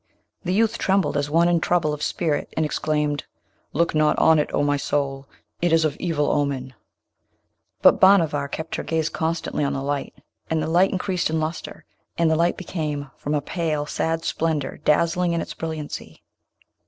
The youth trembled as one in trouble of spirit, and exclaimed, 'Look not on it, O my soul! It is of evil omen.' But Bhanavar kept her gaze constantly on the light, and the light increased in lustre; and the light became, from a pale sad splendour, dazzling in its brilliancy.